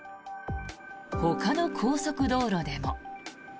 ほかの高速道路でも。